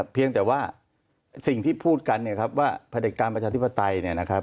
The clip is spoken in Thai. เพียงแต่ว่าสิ่งที่พูดกันว่าประเด็นการประชาธิปไตย